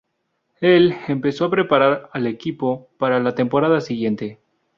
Él empezó a preparar al equipo para la temporada siguiente.